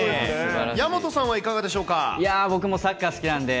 矢本さんはいかがでしたでし